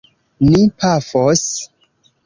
Ni pafos.